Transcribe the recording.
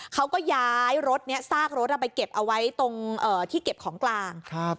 เขาก็ย้ายรถเนี้ยซากรถเอาไปเก็บเอาไว้ตรงเอ่อที่เก็บของกลางครับ